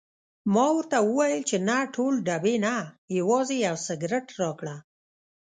ما ورته وویل چې نه ټول ډبې نه، یوازې یو سګرټ راکړه.